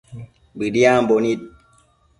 Bëdiambo nid